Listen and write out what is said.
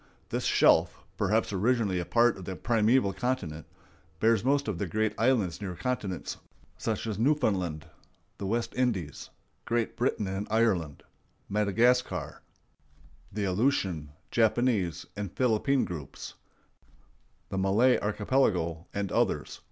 This shelf, perhaps originally a part of the primeval continent, bears most of the great islands near continents, such as Newfoundland, the West Indies, Great Britain and Ireland, Madagascar, the Aleutian, Japanese, and Philippine groups, the Malay Archipelago, and others.